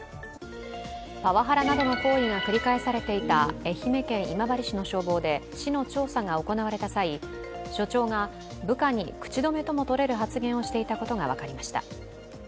パワハラなどの行為が繰り返されていた愛媛県今治市の消防で市の調査が行われた際、署長が部下に口止めともとれる発言をしていたことが分かりました。